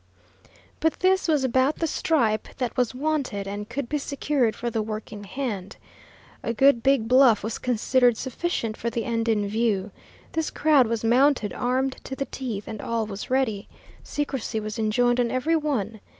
But this was about the stripe that was wanted and could be secured for the work in hand. A good big bluff was considered sufficient for the end in view. This crowd was mounted, armed to the teeth, and all was ready. Secrecy was enjoined on every one.